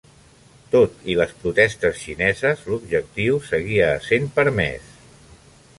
Tot i les protestes xineses l'objectiu seguia essent permès.